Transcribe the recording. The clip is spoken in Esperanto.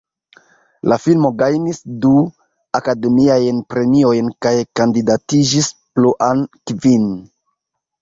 La filmo gajnis du Akademiajn Premiojn kaj kandidatiĝis pluan kvin.